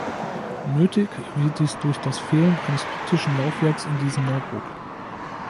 Nötig wird dies durch das Fehlen eines optischen Laufwerks in diesem Notebook.